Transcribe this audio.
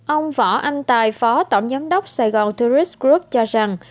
ông võ anh tài phó tổng giám đốc sài gòn tourist group cho rằng